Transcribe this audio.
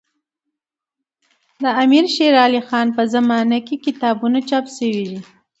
د امير شېر علي خان په زمانه کي کتابونه چاپ سوي دي.